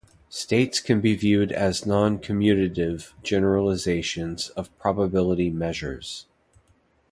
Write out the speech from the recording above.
States can be viewed as noncommutative generalizations of probability measures.